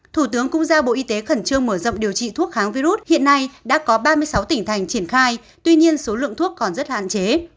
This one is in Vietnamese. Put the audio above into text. thủ tướng cũng giao bộ y tế khẩn trương mở rộng điều trị thuốc kháng virus hiện nay đã có ba mươi sáu tỉnh thành triển khai tuy nhiên số lượng thuốc còn rất hạn chế